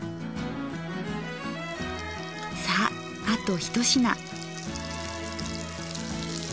さああと一品。